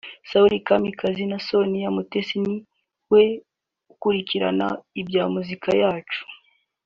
Samuel Kamanzi na Sonia Mutesi na we ukurikirana ibya muzika cyane